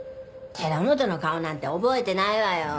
寺本の顔なんて覚えてないわよ。